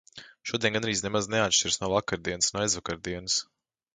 Šodiena gandrīz nemaz neatšķiras no vakardienas un aizvakardienas.